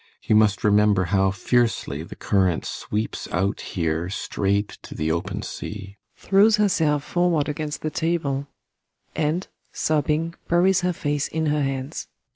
You must remember how fiercely the current sweeps out here straight to the open sea. ASTA. [Throws herself forward against the table, and, sobbing, buries her face in her hands.